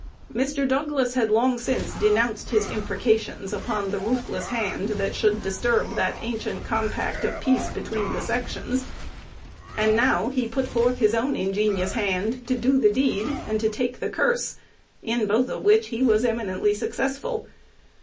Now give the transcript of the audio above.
Mr. Douglas had long since denounced his imprecations upon "the ruthless hand" that should disturb that ancient compact of peace between the sections; and now he put forth his own ingenious hand to do the deed, and to take the curse, in both of which he was eminently successful.